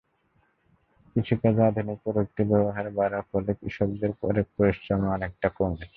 কৃষিকাজে আধুনিক প্রযুক্তির ব্যবহার বাড়ার ফলে কৃষকদের কায়িক পরিশ্রম অনেকটা কমেছে।